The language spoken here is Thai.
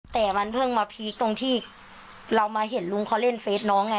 แต่มันเพิ่งมาพีคตรงที่เรามาเห็นลุงเขาเล่นเฟสน้องไง